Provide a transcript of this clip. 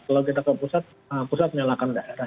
kalau kita ke pusat pusat menyalakan daerah